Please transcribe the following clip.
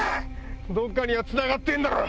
どっかにはつながってんだろ！